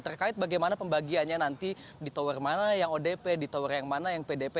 terkait bagaimana pembagiannya nanti di tower mana yang odp di tower yang mana yang pdp